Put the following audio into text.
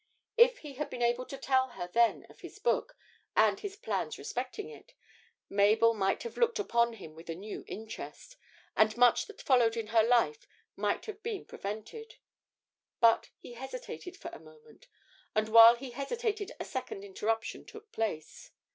If he had been able to tell her then of his book, and his plans respecting it, Mabel might have looked upon him with a new interest, and much that followed in her life might have been prevented. But he hesitated for a moment, and while he hesitated a second interruption took place.